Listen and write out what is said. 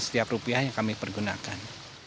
setiap rupiah yang kami pergunakan